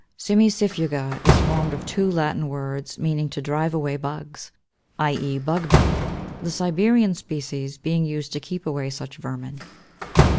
Cimicifuga is formed of two Latin words meaning to drive away bugs, i. e. Bugbane, the Siberian species being used to keep away such vermin.